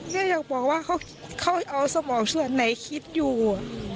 พี่จะบอกว่าเขาเอาสมองช่วยอันไหนคิดอยู่อะ